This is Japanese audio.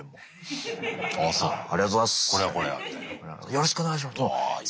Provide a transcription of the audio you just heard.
「よろしくお願いします」。